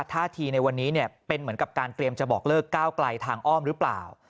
ท่าทีในวันนี้เป็นเหมือนกับการเตรียมจะบอกเลิกก้าวไกลทางอ้อมหรือเปล่า